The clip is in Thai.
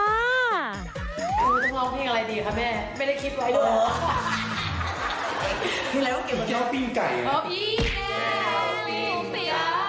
โดยต้องโพล่เพียงอะไรดีเนี่ยล้อไก่